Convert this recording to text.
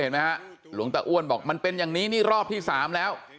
เห็นไหมฮะหลวงตาอ้วนบอกมันเป็นอย่างนี้นี่รอบที่๓แล้ว